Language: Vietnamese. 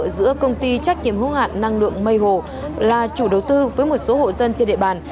giữa công ty trách nhiệm hữu hạn năng lượng mây hồ là chủ đầu tư với một số hộ dân trên địa bàn